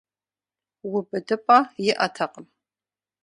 УбыдыпӀэ иӀэтэкъым.